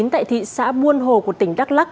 tại thị xã buôn hồ của tỉnh đắk lắc